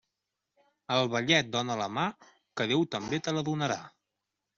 Al vellet dóna la mà, que Déu també te la donarà.